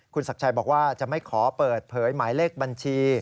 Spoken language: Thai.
คุณศักดิ์ชัยบอกว่าจะไม่ขอเปิดเผยหมายเลขบัญชี